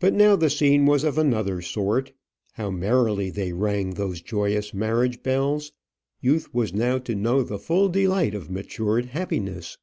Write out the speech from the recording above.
But now the scene was of another sort. How merrily they rang, those joyous marriage bells! Youth was now to know the full delight of matured happiness.